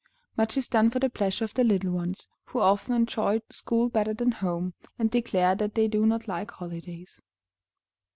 Much is done for the pleasure of the little ones, who often enjoy school better than home, and declare that they do not like holidays.